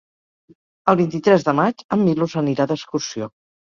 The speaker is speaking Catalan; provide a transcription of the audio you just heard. El vint-i-tres de maig en Milos anirà d'excursió.